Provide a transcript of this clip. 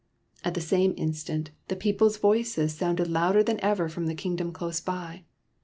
At the same instant, the people s voices sounded louder than ever from the kingdom close by.